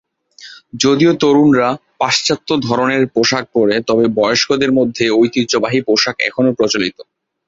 যদিও তরুণরা পাশ্চাত্য ধরনের পোশাক পরে, তবে বয়স্কদের মধ্যে ঐতিহ্যবাহী পোশাক এখনও প্রচলিত।